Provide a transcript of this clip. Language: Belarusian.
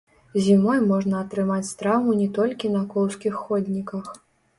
Зімой можна атрымаць траўму не толькі на коўзкіх ходніках.